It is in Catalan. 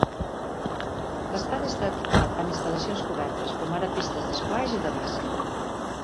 L'estadi està equipat amb instal·lacions cobertes, com ara pistes d'esquaix i de bàsquet.